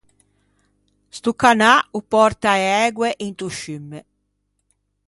Sto canâ o pòrta e ægue into sciumme.